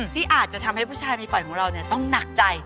ที่อาจจะทำให้ผู้ชายในฝันของเราต้องหนักใจ